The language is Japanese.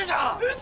嘘。